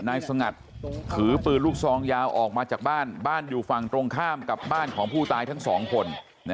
สงัดถือปืนลูกซองยาวออกมาจากบ้านบ้านอยู่ฝั่งตรงข้ามกับบ้านของผู้ตายทั้งสองคน